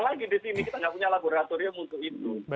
karena tidak ada lagi di sini kita tidak punya laboratorium untuk itu